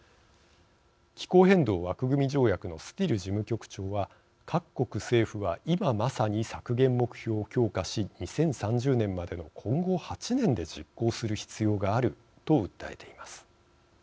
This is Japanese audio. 気候変動枠組条約のスティル事務局長は「各国政府は今まさに削減目標を強化し２０３０年までの今後８年で実行する必要がある」と訴えています。